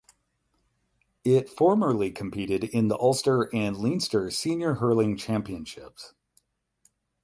It formerly competed in the Ulster and Leinster Senior Hurling Championships.